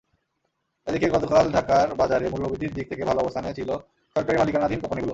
এদিকে গতকাল ঢাকার বাজারে মূল্যবৃদ্ধির দিক থেকে ভালো অবস্থানে ছিল সরকারি মালিকানাধীন কোম্পানিগুলো।